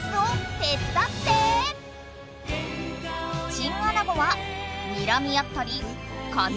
チンアナゴはにらみ合ったりかみついたり。